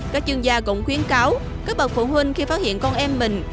các chuyên gia cũng khuyến cáo các bậc phụ huynh khi phát hiện con em mình